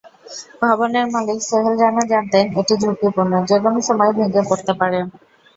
ভবনের মালিক সোহেল রানা জানতেন, এটি ঝুঁকিপূর্ণ, যেকোনো সময় ভেঙে পড়তে পারে।